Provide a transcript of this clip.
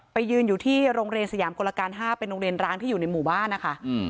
ยืนอยู่ที่โรงเรียนสยามกลการ๕เป็นโรงเรียนร้างที่อยู่ในหมู่บ้านนะคะ